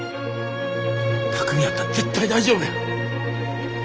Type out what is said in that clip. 巧海やったら絶対大丈夫や！